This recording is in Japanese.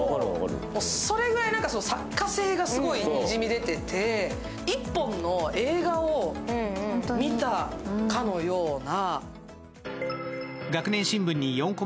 それぐらい作家性がにじみ出てて１本の映画を見たかのような。